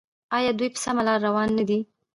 آیا دوی په سمه لار روان نه دي؟